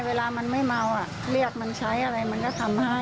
แล้วไม่ใส่ตอนเมาเป็นอย่างไรครับ